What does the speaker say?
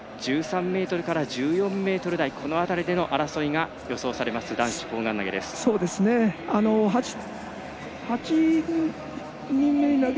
１３ｍから１４ｍ台この辺りでの争いが予想されます、男子砲丸投げ。